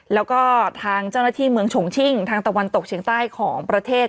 แล้วก็ทางเจ้าหน้าที่เมืองฉงชิ่งทางตะวันตกเฉียงใต้ของประเทศ